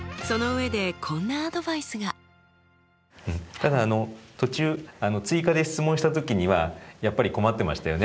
ただあの途中追加で質問した時にはやっぱり困ってましたよね。